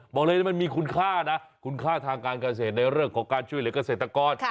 บอกเลยมันมีคุณค่านะคุณค่าทางการเกษตรในเรื่องของการช่วยเหลือกเกษตรกร